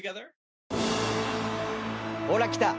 「ほらきた！」